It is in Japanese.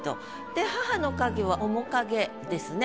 で母の影は面影ですね。